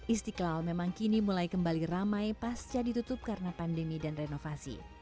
istiqlal memang kini mulai kembali ramai pasca ditutup karena pandemi dan renovasi